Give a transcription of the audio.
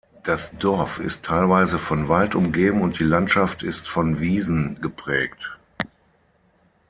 Das Dorf ist teilweise von Wald umgeben und die Landschaft ist von Wiesen geprägt.